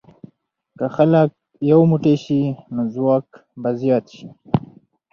که خلک یو موټی شي، نو ځواک به زیات شي.